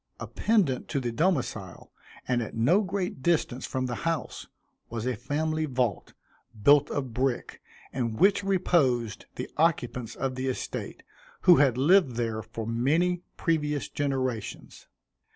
Appendant to the domicile, and at no great distance from the house, was a family vault, built of brick, in which reposed the occupants of the estate, who had lived there for many previous generations.